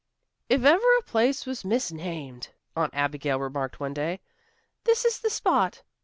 "If ever a place was misnamed," Aunt Abigail remarked one day, "this is the spot.